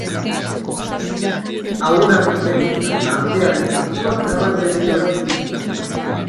Hauen arkitektura eta artearen zantzuak nabariak dira oraindik hirian.